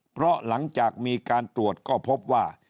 เพราะหลังจากมีการตรวจก็พบว่า